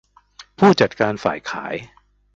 ผู้จัดการฝ่ายขาย